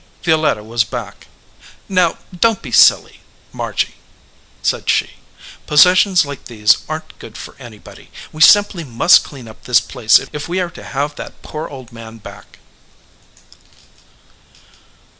Violetta was back. "Now, don t be silly, 38 THE OLD MAN OF THE FIELD Margy," said she. "Possessions like these aren t good for anybody. We simply must clean up this place if we are to have that poor old man back."